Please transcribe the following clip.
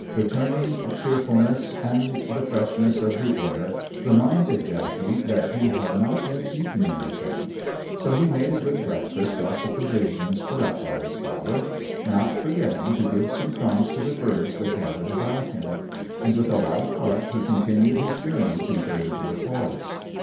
Returning cheerfulness and the freshness of the air reminded Jackey that he had not yet eaten anything, so he made a good breakfast off the provisions put up by his father, not forgetting to give some crumbs to the birds that gathered about him; and with a light heart he continued his journey deeper into the forest.